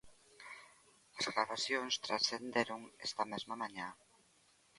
As gravacións transcenderon esta mesma mañá.